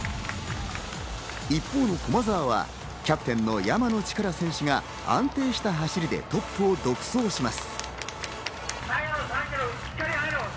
一方の駒澤はキャプテンの山野力選手が安定した走りでトップを独走します。